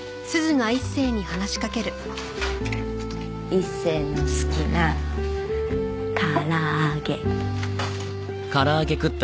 一星の好きなからあげ。